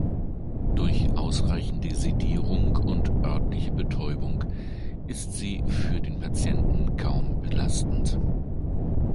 Durch ausreichende Sedierung und örtliche Betäubung ist sie für den Patienten kaum belastend.